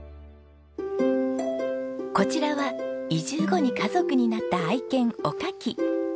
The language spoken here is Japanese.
こちらは移住後に家族になった愛犬おかき。